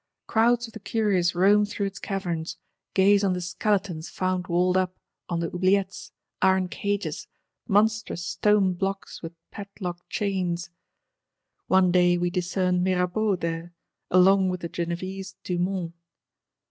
Crowds of the curious roam through its caverns; gaze on the skeletons found walled up, on the oubliettes, iron cages, monstrous stone blocks with padlock chains. One day we discern Mirabeau there; along with the Genevese Dumont.